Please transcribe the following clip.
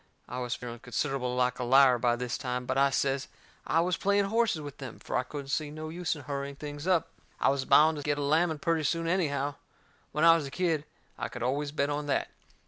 I was feeling considerable like a liar by this time, but I says I was playing horses with them, fur I couldn't see no use in hurrying things up. I was bound to get a lamming purty soon anyhow. When I was a kid I could always bet on that.